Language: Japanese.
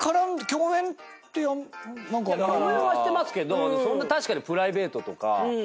共演はしてますけど確かにプライベートとか。